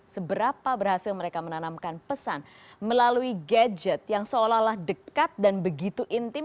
seberapa berhasil mereka menanamkan pesan melalui gadget yang seolah olah dekat dan begitu intim